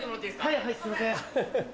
はいはいすいません。